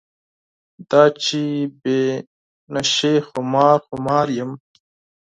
دا چې بې نشې خمار خمار یم.